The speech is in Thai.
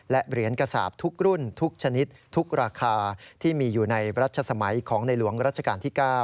และเหรียญกระสาปทุกรุ่นทุกชนิดทุกราคาที่มีอยู่ในรัชสมัยของในหลวงรัชกาลที่๙